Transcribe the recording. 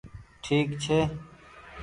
ٺيڪ ڇي۔